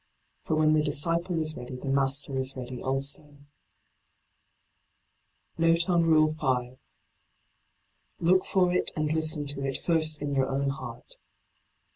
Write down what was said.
For when the disciple is ready the Master is ready also. JVofe on Rule 5. — Look for it and listen to it first in your own heart.